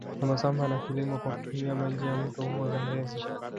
Sambamba na kilimo kwa kutumia maji ya mto huo Zambezi